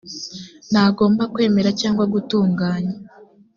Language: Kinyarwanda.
ntagomba kwemera cyangwa gutunganya